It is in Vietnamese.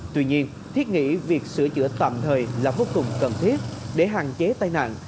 tuy nhiên thiết nghĩ việc sửa chữa tạm thời là vô cùng cần thiết để hạn chế tai nạn